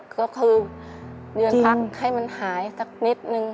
ก็คือยืนพักให้มันหายสักนิดนึง